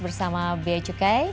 bersama b a cukai